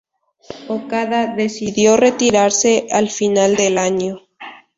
Okada decidió retirarse al final del año.